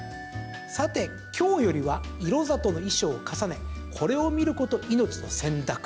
さて今日よりは色里の衣装かさねこれを見ること命のせんだく。